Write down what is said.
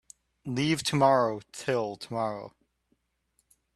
Leave tomorrow till tomorrow.